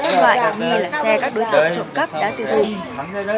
loại đáng nghi là xe các đối tượng trộm cắp đã tiêu hùng